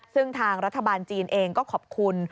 ซึ่งทางรัฐบาลจีนเองก็ขอบคุณ